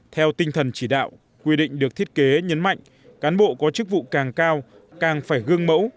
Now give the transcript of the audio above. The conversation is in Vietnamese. theo tinh thần chỉ đạo quy định được thiết kế nhấn mạnh cán bộ có chức vụ càng cao càng phải gương mẫu